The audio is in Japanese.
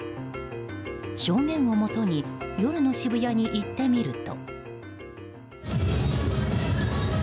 証言をもとに夜の渋谷に行ってみると。